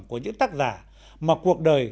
của những tác giả mà cuộc đời